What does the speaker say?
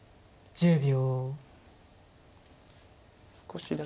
１０秒。